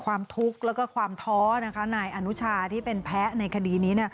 ความทุกข์และความท้อนายอนุชาที่เป็นแพ้ในคดีนี้